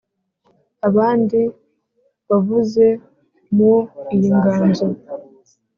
abandi wavuze mu iyi nganzo